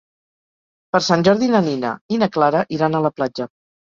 Per Sant Jordi na Nina i na Clara iran a la platja.